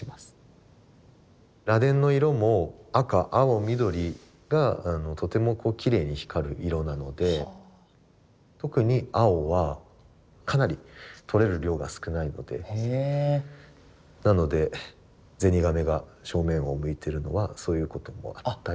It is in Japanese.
螺鈿の色も赤青緑がとてもきれいに光る色なので特に青はかなりとれる量が少ないのでなのでゼニガメが正面を向いてるのはそういうこともあったり。